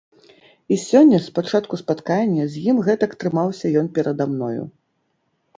І сёння з пачатку спаткання з ім гэтак трымаўся ён перада мною.